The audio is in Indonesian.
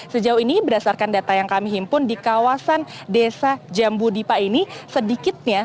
sejauh ini berdasarkan data yang kami himpun di kawasan desa jambudipa ini sedikitnya